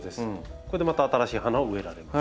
これでまた新しい花を植えられます。